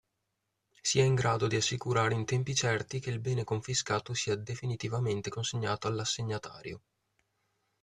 Sia in grado di assicurare in tempi certi che il bene confiscato sia definitivamente consegnato all'assegnatario.